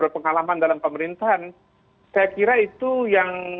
berpengalaman dalam pemerintahan saya kira itu yang